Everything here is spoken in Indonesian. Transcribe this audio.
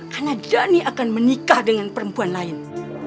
karena dhani akan menikah dengan perempuan lain